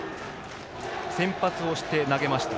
先発をして、投げました。